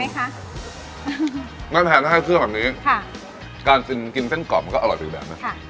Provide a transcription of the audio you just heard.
แพงไหมคะไม่แพงถ้าให้เครื่องแบบนี้ค่ะการจินกินเส้นกรอบมันก็อร่อยเป็นแบบนั้นค่ะ